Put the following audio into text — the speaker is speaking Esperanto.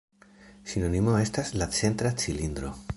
Sinonimo estas la „centra cilindro“.